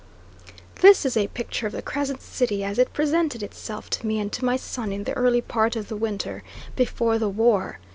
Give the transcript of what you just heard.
This is a picture of the Crescent City as it presented itself to me and to my son in the early part of the winter before the war.